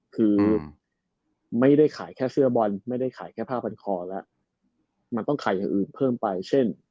คือไม่ได้ขายแค่เสื้อบอลไม่ได้ขายแค่ผ้าพันคอแล้วมันต้องขายอย่างอื่นเพิ่มไปเช่น